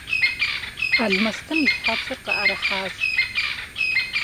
Алмэстым и щхьэцыр къыӀэрыхьащ.